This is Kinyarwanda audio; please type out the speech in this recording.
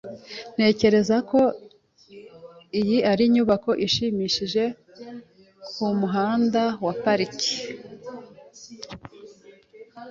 Ntekereza ko iyi ari inyubako ishimishije cyane kumuhanda wa Park.